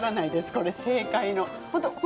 この正解の。